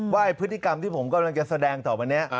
ว่าไอ้พฤติกรรมที่ผมกำลังจะแสดงต่อไปเนี้ย